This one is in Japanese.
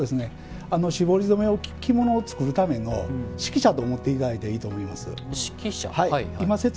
絞り染めの着物を作るための指揮者と思っていただいていいと思います。